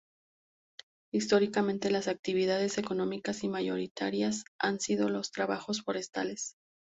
Históricamente las actividades económicas mayoritarias han sido los trabajos forestales.